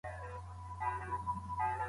لوستې مور د ماشوم پوستکي ته پام کوي.